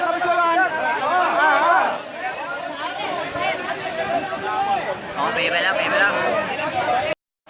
ก่อนถ้าหาได้